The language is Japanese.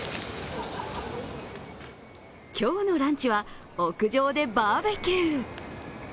今日のランチは、屋上でバーベキュー。